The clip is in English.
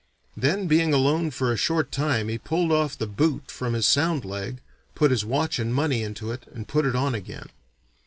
Then being alone for a short time he pulled off the boot from his sound leg, put his watch and money into it and put it on again.